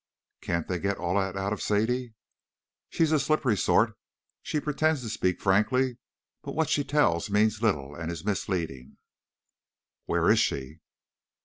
"Can't they get all that out of Sadie?" "She's a slippery sort. She pretends to speak frankly, but what she tells means little and is misleading." "Where is she?"